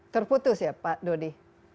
terputus ya pak dodi